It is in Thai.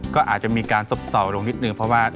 ก็อาจจะมีการตบเสาลงนิดนึงเพราะว่า